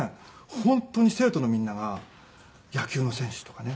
本当に生徒のみんなが野球の選手とかね